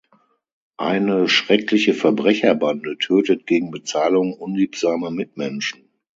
Eine schreckliche Verbrecherbande tötet gegen Bezahlung unliebsame Mitmenschen.